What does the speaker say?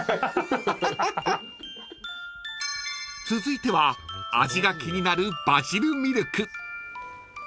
［続いては味が気になるバジルミルク］